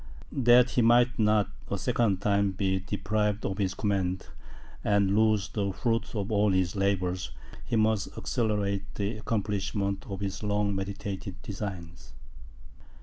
That he might not a second time be deprived of his command, and lose the fruit of all his labours, he must accelerate the accomplishment of his long meditated designs.